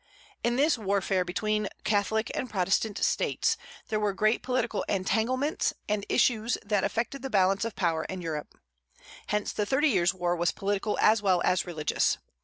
In this warfare between Catholic and Protestant States, there were great political entanglements and issues that affected the balance of power in Europe. Hence the Thirty Years' War was political as well as religious.